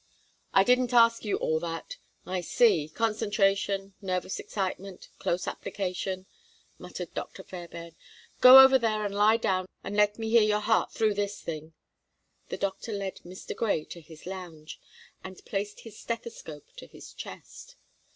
"I didn't ask you all that. I see: concentration, nervous excitement, close application," muttered Dr. Fairbairn. "Go over there and lie down and let me hear your heart through this thing." The doctor led Mr. Grey to his lounge, and placed his stethoscope to his chest.